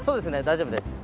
大丈夫です。